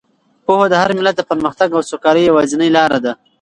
پوهه د هر ملت د پرمختګ او سوکالۍ یوازینۍ لاره ده.